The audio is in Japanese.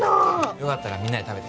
よかったらみんなで食べて